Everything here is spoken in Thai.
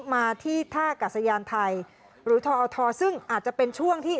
มาที่ท่ากัศยานไทยหรือทอทซึ่งอาจจะเป็นช่วงที่